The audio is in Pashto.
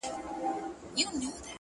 پوهېده په ښو او بدو عاقلان سوه,